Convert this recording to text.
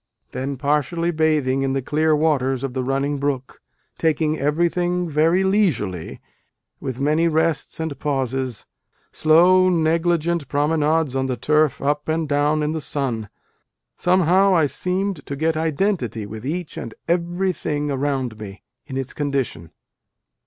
then partially bathing in the clear waters of the running brook taking everything very leisurely, with many rests and pauses .... slow negligent promenades on the turf up and down in the sun ... somehow I seemed to get identity with each and everything around me, in its condition.